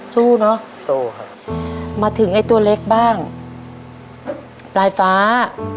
สู้เนอะมาถึงไอ้ตัวเล็กบ้างปลายฟ้า